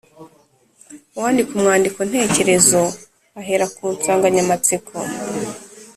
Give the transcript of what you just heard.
uwandika umwandiko ntekerezo ahera ku nsanganyamatsiko